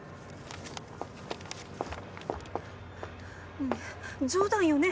ねえ冗談よね？